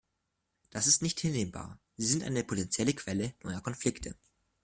Das ist nicht hinnehmbar, sie sind eine potenzielle Quelle neuer Konflikte.